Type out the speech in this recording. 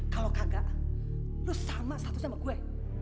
kalau kagak kamu sama seharusnya sama saya